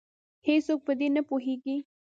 هیڅوک په دې نه پوهیږې